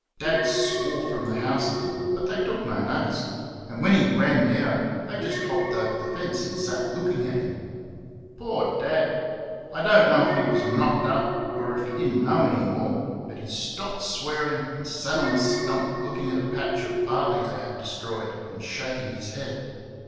Dad swore from the house at them, but they took no notice; and when he ran down, they just hopped over the fence and sat looking at him. Poor Dad! I do n't know if he was knocked up or if he did n't know any more, but he stopped swearing and sat on a stump looking at a patch of barley they had destroyed, and shaking his head.